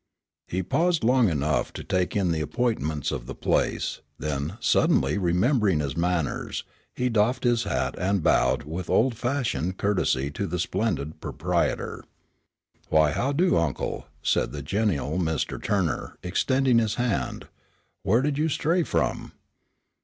He paused long enough to take in the appointments of the place, then, suddenly remembering his manners, he doffed his hat and bowed with old fashioned courtesy to the splendid proprietor. "Why, how'do, uncle!" said the genial Mr. Turner, extending his hand. "Where did you stray from?"